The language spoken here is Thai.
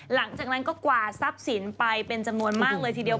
หลังจากนั้นก็กวาดทรัพย์สินไปเป็นจำนวนมากเลยทีเดียว